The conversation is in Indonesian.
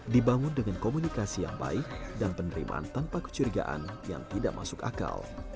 dibangun dengan komunikasi yang baik dan penerimaan tanpa kecurigaan yang tidak masuk akal